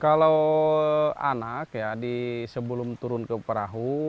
kalau anak ya sebelum turun ke perahu